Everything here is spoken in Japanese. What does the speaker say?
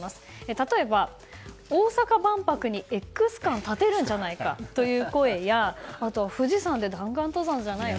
例えば、大阪万博にＸ館を建てるんじゃないかという声や富士山で弾丸登山じゃないか。